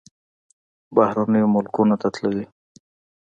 بهرنیو ملکونو ته تللی.